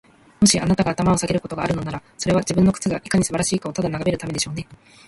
もし、あなたが頭を下げることがあるのなら、それは、自分の靴がいかに素晴らしいかをただ眺めるためでしょうね。